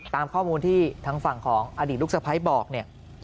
ตามข้อมูลที่ทางฝั่งของอดีตลูกสะพ้ายบอกเนี่ย